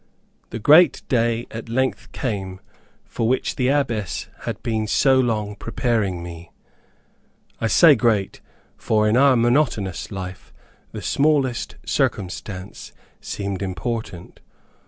The great day at length came for which the Abbess had been so long preparing me. I say great, for in our monotonous life, the smallest circumstance seemed important.